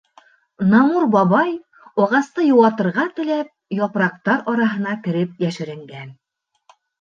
Намур бабай, ағасты йыуатырға теләп, япраҡтар араһына кереп йәшеренгән.